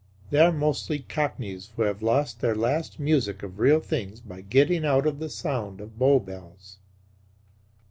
They are mostly Cockneys who have lost their last music of real things by getting out of the sound of Bow Bells.